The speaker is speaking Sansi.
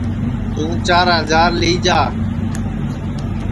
توں چِار ہجار لی جا